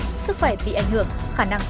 sạch sức khỏe bị ảnh hưởng khả năng